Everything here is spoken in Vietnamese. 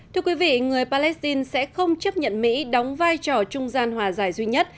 thưa quý vị người palestine sẽ không chấp nhận mỹ đóng vai trò trung gian hòa giải duy nhất